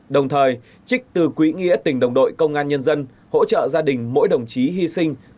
đồng thời trích từ quý nghĩa tình đồng đội công an nhân dân hỗ trợ gia đình mỗi đồng chí hy sinh